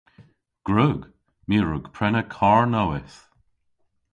Gwrug. My a wrug prena karr nowydh.